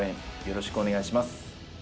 よろしくお願いします。